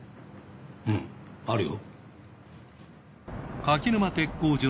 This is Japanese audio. うんあるよ。